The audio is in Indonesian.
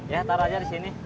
ya taro aja disini